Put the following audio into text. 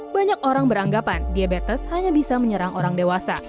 banyak orang beranggapan diabetes hanya bisa menyerang orang dewasa